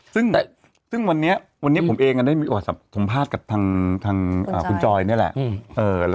ซึ่งวันนี้วันนี้ผมเองได้มีโอกาสสัมภาษณ์กับทางคุณจอยนี่แหละ